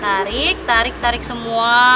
tarik tarik tarik semua